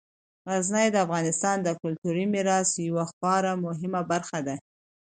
غزني د افغانستان د کلتوري میراث یوه خورا مهمه برخه ده.